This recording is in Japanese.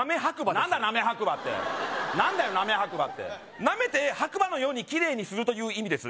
何だなめ白馬って何だよなめ白馬ってなめて白馬のようにキレイにするという意味です